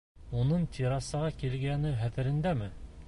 — Уның Террасаға килгәне хәтерендәме?